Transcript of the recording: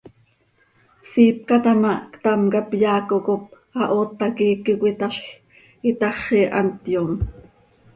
Siipca taa ma, ctam cap yaaco cop ahoot hac iiqui cöitaazj itaxi, hant yoom.